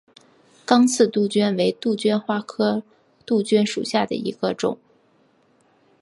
刚刺杜鹃为杜鹃花科杜鹃属下的一个种。